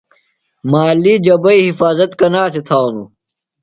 مالی جبئی حِفاظت کنا تھےۡ تھانوۡ ؟